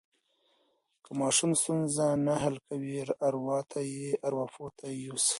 که ماشوم ستونزه نه حل کوي، ارواپوه ته یې یوسئ.